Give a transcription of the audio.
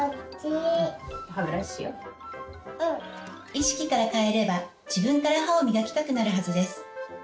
意識から変えれば自分から歯を磨きたくなるはずです。